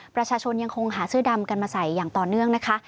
ประชาชนยังคงหาเสื้อดำกันมาใส่อย่างต่อเนื่องนะคะ